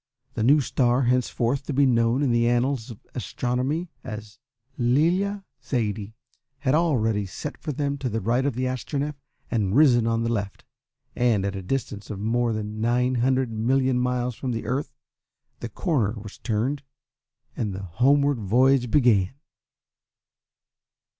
The new star, henceforth to be known in the annals of astronomy as Lilla Zaidie, had already set for them to the right of the Astronef and risen on the left, and, at a distance of more than nine hundred million miles from the Earth, the corner was turned, and the homeward voyage began.